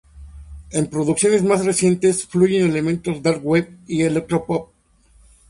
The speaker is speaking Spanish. En producciones más recientes fluyen elementos Dark Wave y electropop.